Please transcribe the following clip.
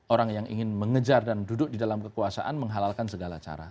orang yang ingin mengejar dan duduk di dalam kekuasaan menghalalkan segala cara